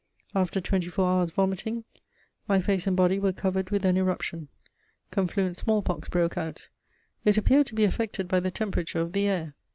After twenty four hours' vomiting, my face and body were covered with an eruption: confluent smallpox broke out; it appeared to be affected by the temperature of the air.